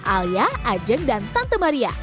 alia ajeng dan tante maria